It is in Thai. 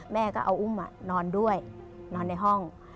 แม่ก็เอาอุ้มนอนด้วยนอนในห้อง